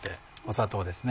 砂糖ですね。